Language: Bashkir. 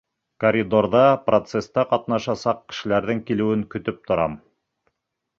Коридорҙа процеста ҡатнашасаҡ кешеләрҙең килеүен көтөп торам.